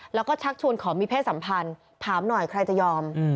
แล้วก็ชักชวนขอมีเพศสัมพันธ์ถามหน่อยใครจะยอม